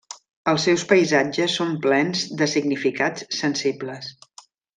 Els seus paisatges són plens de significats sensibles.